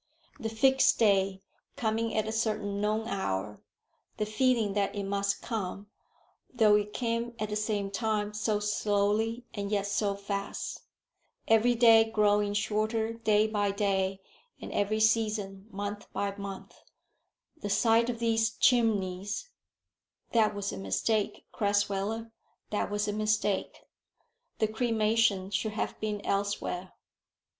"The fixed day, coming at a certain known hour; the feeling that it must come, though it came at the same time so slowly and yet so fast; every day growing shorter day by day, and every season month by month; the sight of these chimneys " "That was a mistake, Crasweller; that was a mistake. The cremation should have been elsewhere."